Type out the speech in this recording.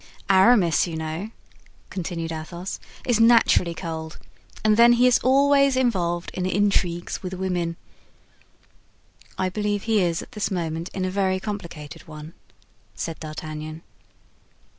"Aramis, you know," continued Athos, "is naturally cold, and then he is always involved in intrigues with women." "I believe he is at this moment in a very complicated one," said D'Artagnan.